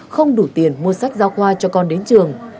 không đủ tiền mua sách giáo khoa cho con đến trường